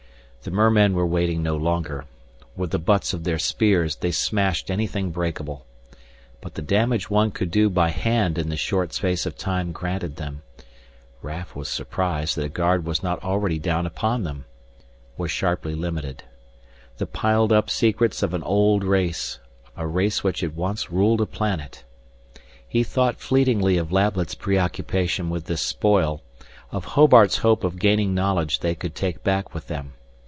The mermen were waiting no longer. With the butts of their spears they smashed anything breakable. But the damage one could do by hand in the short space of time granted them Raf was surprised that a guard was not already down upon them was sharply limited. The piled up secrets of an old race, a race which had once ruled a planet. He thought fleetingly of Lablet's preoccupation with this spoil, of Hobart's hope of gaining knowledge they could take back with them.